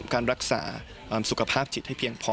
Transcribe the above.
การรักษาสุขภาพจิตให้เพียงพอ